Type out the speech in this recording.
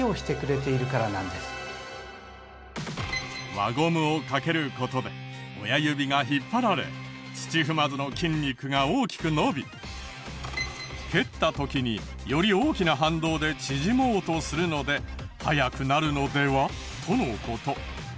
輪ゴムを掛ける事で親指が引っ張られ土踏まずの筋肉が大きく伸び蹴った時により大きな反動で縮もうとするので速くなるのでは？との事。